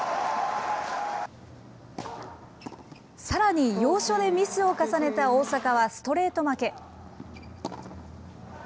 さらに要所でミスを重ねた大坂はストレート負け。